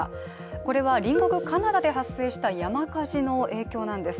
これは隣国カナダで発生した山火事の影響なんです。